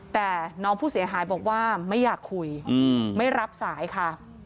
แต่น้องผู้เสียหายบอกว่าไม่อยากคุยไม่รับสายค่ะ